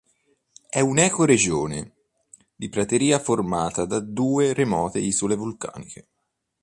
È un'ecoregione di prateria formata da due remote isole vulcaniche.